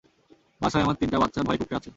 বাসায় আমার তিনটা বাচ্চা ভয়ে কুঁকড়ে আছে!